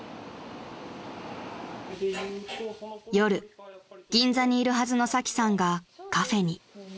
［夜銀座にいるはずのサキさんがカフェに］